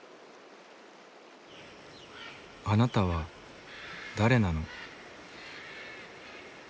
「あなたは誰なの？」。